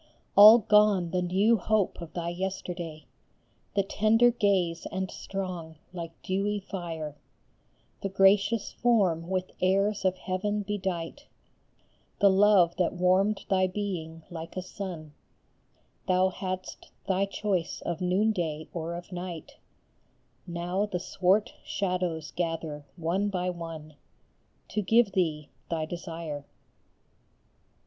All gone the new hope of thy yesterday, The tender gaze and strong, like dewy fire, The gracious form with airs of Heaven bedight, The love that warmed thy being like a sun : Thou hadst thy choice of noonday or of night ; Now the swart shadows gather, one by one, To give thee thy desire